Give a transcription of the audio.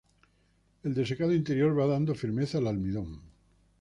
El desecado interior va dando firmeza al almidón.